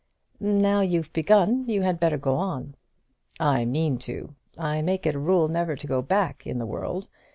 "Now you've begun you had better go on." "I mean to. I make it a rule never to go back in the world.